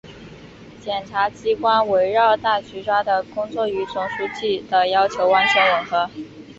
检察机关围绕大局抓的工作与总书记的要求完全吻合